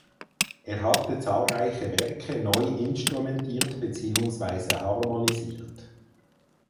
Er hatte zahlreiche Werke neu instrumentiert beziehungsweise harmonisiert.